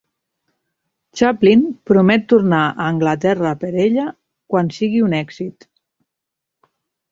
Chaplin promet tornar a Anglaterra per ella quan sigui un èxit.